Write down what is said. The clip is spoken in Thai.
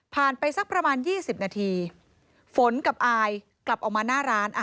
ไปสักประมาณ๒๐นาทีฝนกับอายกลับออกมาหน้าร้าน